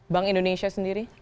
bank indonesia sendiri